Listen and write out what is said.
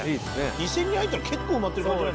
「２０００人入ったら結構埋まってる感じなんじゃない？」